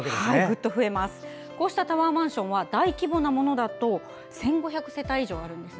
こうしたタワーマンションは大規模なものだと１５００世帯以上あるんです。